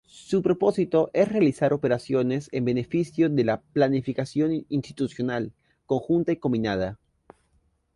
Su propósito es "realizar operaciones en beneficio de la planificación institucional conjunta y combinada".